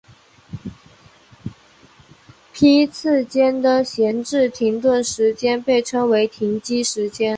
批次间的闲置停顿时间被称为停机时间。